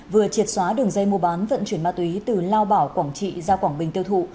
vừa triệt xóa đường dây mua bán vận chuyển ma túy từ lao bảo quảng trị ra quảng bình tiêu thụ